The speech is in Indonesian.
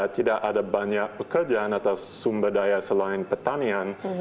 tidak ada banyak pekerjaan atau sumber daya selain pertanian